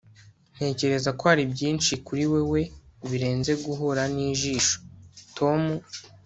ntekereza ko hari byinshi kuri wewe birenze guhura nijisho, tom